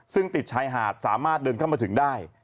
ซึ่งติดชายหาดสามารถเดินเข้ามาถึงได้